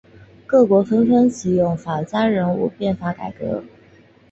各国纷纷启用法家人物变法改革。